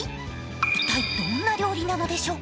一体どんな料理なんでしょうか。